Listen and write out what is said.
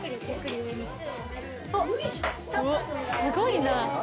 すごいな。